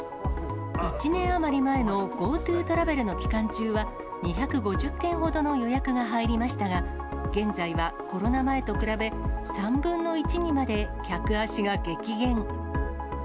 １年余り前のＧｏＴｏトラベルの期間中は、２５０件ほどの予約が入りましたが、現在はコロナ前と比べ、３分の１にまで客足が激減。